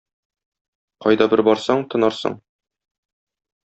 Кайда бер барсаң, тынарсың?